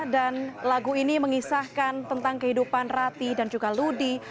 dan lagu ini mengisahkan tentang kehidupan rati dan juga ludi